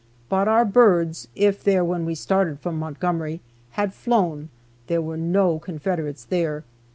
But our birds (if there when we started from Montgomery) had flown there were no Confederates there.